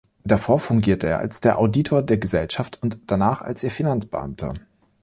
Davor fungierte er als der Auditor der Gesellschaft und danach als ihr Finanzbeamter.